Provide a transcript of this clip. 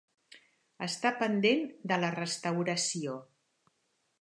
Està pendent de la restauració.